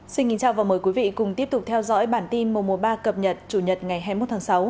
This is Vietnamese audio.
xin kính chào và mời quý vị cùng tiếp tục theo dõi bản tin mùa mùa ba cập nhật chủ nhật ngày hai mươi một tháng sáu